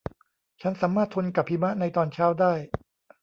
ฉันสามารถทนกับหิมะในตอนเช้าได้